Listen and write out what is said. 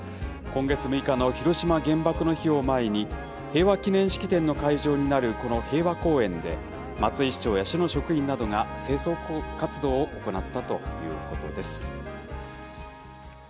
今月６日の広島原爆の日を前に、平和記念式典の会場になるこの平和公園で、松井市長や市の職員などが清掃活動を行ったということです。